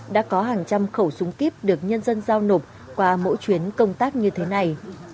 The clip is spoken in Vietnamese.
đã có hàng trăm khẩu súng kíp được nhân dân giao nộp qua mỗi chuyến công tác như thế này